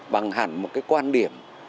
bằng hẳn một quan điểm